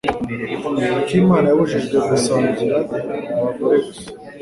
Akimana yabujijwe gusangira abagore gusa.